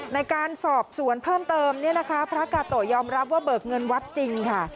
ในการสอบสวนเพิ่มเติมเนี่ยนะคะพระกาโตยอมรับว่าเบิกเงินวัดจริงค่ะ